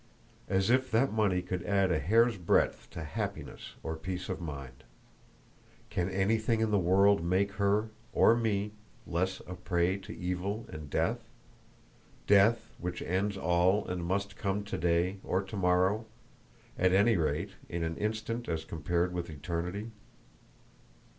As if that money could add a hair's breadth to happiness or peace of mind. Can anything in the world make her or me less a prey to evil and death?—death which ends all and must come today or tomorrow—at any rate, in an instant as compared with eternity."